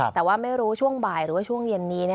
แต่ว่าไม่รู้ช่วงบ่ายหรือว่าช่วงเย็นนี้